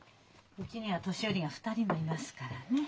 うちには年寄りが２人もいますからね。